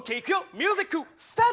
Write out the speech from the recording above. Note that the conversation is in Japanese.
ミュージックスタート！